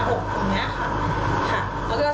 เพื่อเวลามีเหตุการณ์คือหมอบนะคะ